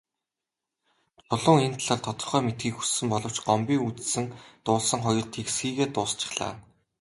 Чулуун энэ талаар тодорхой мэдэхийг хүссэн боловч Гомбын үзсэн дуулсан хоёр тэгсхийгээд дуусчихлаа.